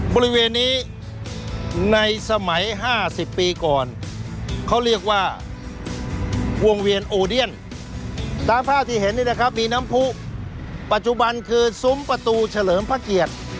บริเวณนี้ในสมัย๕๐ปีก่อนเขาเรียกว่าวงเวียนโอเดียนตามภาพที่เห็นนี่นะครับมีน้ำผู้ปัจจุบันคือซุ้มประตูเฉลิมพระเกียรติ